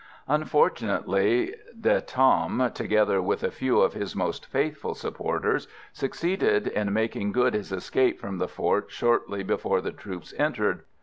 Unfortunately De Tam, together with a few of his most faithful supporters, succeeded in making good his escape from the fort shortly before the troops entered.